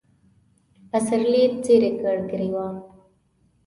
سپرلي څیرې کړ ګرېوان